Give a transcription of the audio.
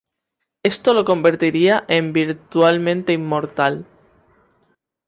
Esto lo convertiría en virtualmente inmortal.